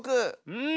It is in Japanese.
うん。